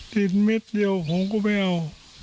กินเม็ดเดียวผมก็ไม่เอา